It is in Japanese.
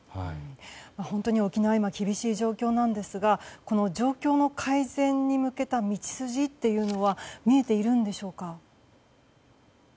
本当に沖縄は今厳しい状況なんですがこの状況の改善に向けた道筋というのは見えているんでしょうか。